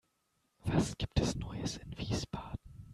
Was gibt es Neues in Wiesbaden?